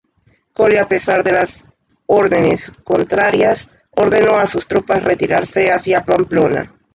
Cole, a pesar de las órdenes contrarias, ordenó a sus tropas retirarse hacia Pamplona.